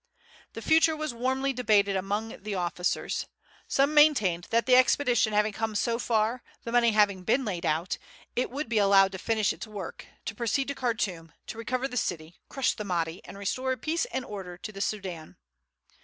The future was warmly debated among the officers. Some maintained that the expedition having come so far, the money having been laid out, it would be allowed to finish its work, to proceed to Khartoum, to recover the city, crush the Mahdi, and restore peace and order to the Soudan.